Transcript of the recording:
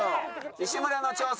西村の挑戦。